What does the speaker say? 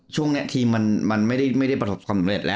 ทีมมันไม่ได้ประสบความสำเร็จแล้ว